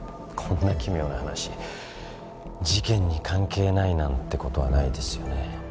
こんな奇妙な話事件に関係ないなんてことはないですよね